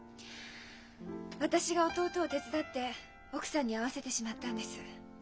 私が弟を手伝って奥さんに会わせてしまったんです。